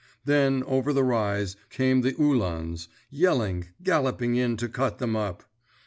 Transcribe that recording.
Then, over the rise, came the uhlans, yelling, galloping in to cut them up.